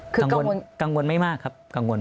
กังวลไม่มากครับ